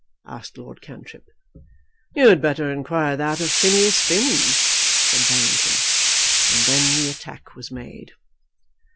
asked Lord Cantrip. "You had better inquire that of Phineas Finn," said Barrington. And then the attack was made.